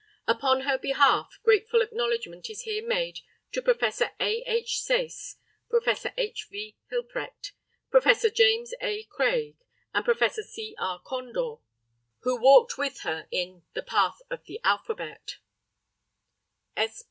Upon her behalf, grateful acknowledgment is here made to Professor A. H. SAYCE, Professor H. V. HILPRECHT, Professor JAMES A. CRAIG and Professor C. R. CONDOR, who walked with her "In the Path of the Alphabet."